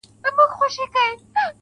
• سپوږمۍ هغې ته په زاریو ویل .